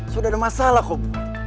sudah ada masalah kok